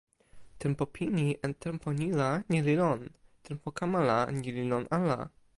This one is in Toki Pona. tenpo pini en tenpo ni la ni li lon. tenpo kama la ni li lon ala.